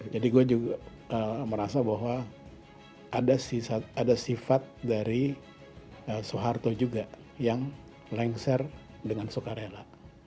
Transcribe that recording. jadi gue juga merasa bahwa ada sifat dari soeharto juga yang lengser dengan soekarela